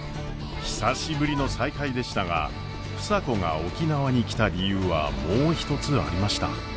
久しぶりの再会でしたが房子が沖縄に来た理由はもう一つありました。